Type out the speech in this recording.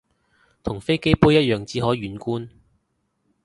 同飛機杯一樣只可遠觀